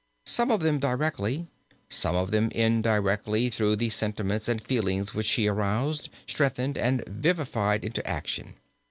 Some of them directly, some of them indirectly through the sentiments and feelings which she aroused, strengthened and vivified into action.